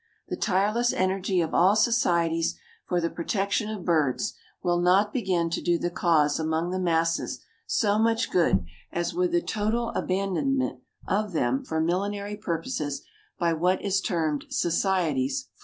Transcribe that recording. The tireless energy of all societies for the protection of birds will not begin to do the cause among the masses so much good as would the total abandonment of them for millinery purposes by what is termed society's 400.